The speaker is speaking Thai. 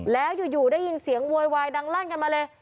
แล้วอยู่ได้ยินเสียงโวยวายดังลั่นกันมาเลย